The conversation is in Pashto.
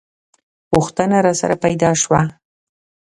پوښتنه راسره پیدا شوه.